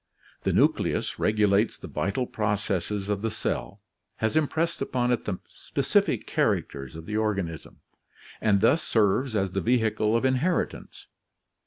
The nucleus regulates the vital processes of the cell, has impressed upon it the specific characters of the organism, and thus serves as 20 ORGANIC EVOLUTION the vehicle of inheritance.